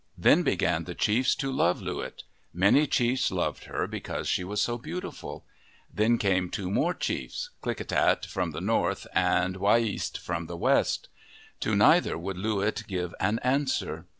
Then began the chiefs to love Loo wit. Many chiefs loved her because she was so beautiful. Then came two more chiefs, Klickitat from the north and Wiyeast from the west. To neither would Loo wit give an answer.